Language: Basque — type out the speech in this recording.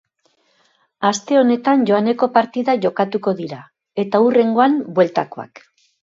Aste honetan joaneko partidak jokatuko dira eta hurrengoa bueltakoak.